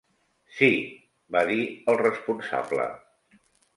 "Sí", va dir el responsable.